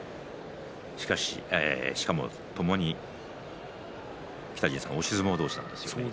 しかも、ともに北陣さん押し相撲同士ですね。